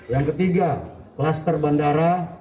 yang ketiga kluster bandara